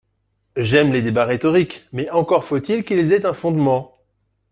J’aime les débats rhétoriques, mais encore faut-il qu’ils aient un fondement